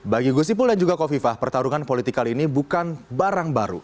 bagi gus ipul dan juga kofifah pertarungan politik kali ini bukan barang baru